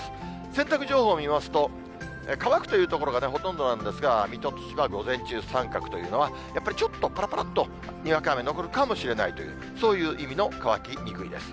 洗濯情報を見ますと、乾くという所がほとんどなんですが、水戸、千葉、午前中三角というのは、やっぱりちょっとぱらぱらっとにわか雨残るかもしれないという、そういう意味の乾きにくいです。